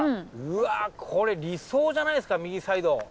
うわこれ理想じゃないですか右サイド。